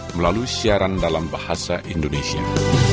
melalui siaran dalam bahasa indonesia